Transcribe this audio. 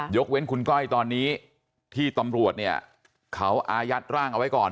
เว้นคุณก้อยตอนนี้ที่ตำรวจเนี่ยเขาอายัดร่างเอาไว้ก่อน